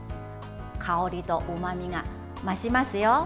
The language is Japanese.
香りとうまみが増しますよ。